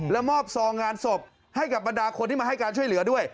และมอบซองงานศพให้กับบรรดาคนที่มาให้การช่วยเหลือด้วย